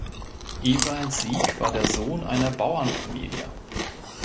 Ewald Sieg war der Sohn einer Bauernfamilie.